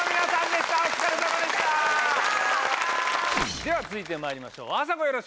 では続いて、まいりましょう。